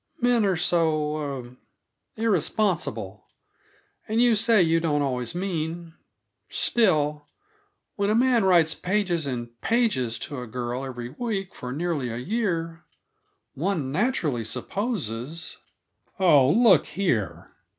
"Men are so er irresponsible; and you say you don't always mean Still, when a man writes pages and pages to a girl every week for nearly a year, one naturally supposes " "Oh, look here!"